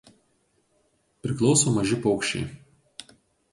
Priklauso maži paukščiai.